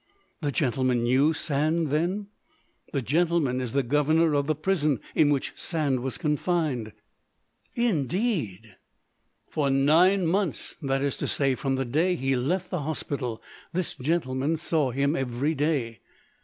"The gentleman knew Sand, then?" "The gentleman is the governor of the prison in which Sand was confined." "Indeed?" "For nine months—that is to say, from the day he left the hospital— this gentleman saw him every day."